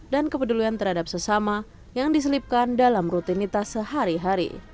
dan kepeduluan terhadap sesama yang diselipkan dalam rutinitas sehari hari